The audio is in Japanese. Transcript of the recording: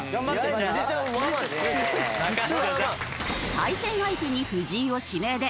対戦相手に藤井を指名で。